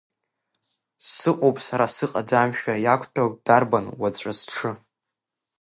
Сыҟоуп сара сыҟаӡамшәа, иақәтәогь дарбан уаҵәы сҽы?